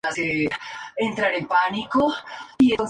Un Santo Expedito?